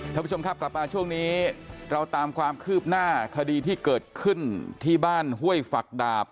ท่านผู้ชมครับกลับมาช่วงนี้เราตามความคืบหน้าคดีที่เกิดขึ้นที่บ้านห้วยฝักดาบ